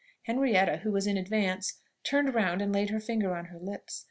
Henrietta, who was in advance, turned round and laid her finger on her lips.